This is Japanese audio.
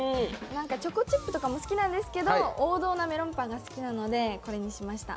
チョコチップとかも好きなんですけど、王道なメロンパンが好きなのでこれにしました。